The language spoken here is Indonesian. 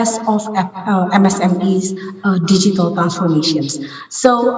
untuk keberhasilan transformasi digital msme